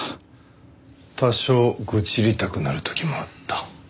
多少愚痴りたくなる時もあった。